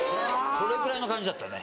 それぐらいの感じだったね。